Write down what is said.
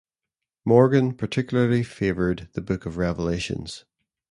Morgan particularly favored the Book of Revelations.